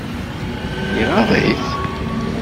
Iɣaḍ-it?